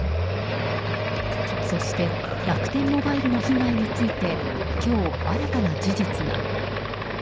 そして楽天モバイルの被害について今日新たな事実が。